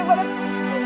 ini baik banget